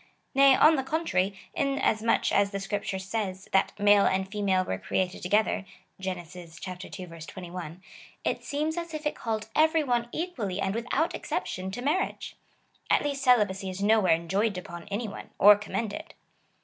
Nay, on the contrary, inasmuch as the Scripture says, that male and female were created together, (Gen. ii. 21,) it seems as if it called every one equally and without exception to marriage:^ at least celibacy is nowhere enjoined upon any one, or commended.